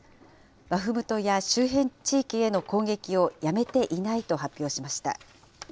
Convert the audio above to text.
バフムトや周辺地域への攻撃をやめていないと発表しました。